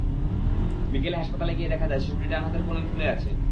বিকেলে হাসপাতালে গিয়ে দেখা যায়, শিশুটির ডান হাতের কনুই ফুলে আছে।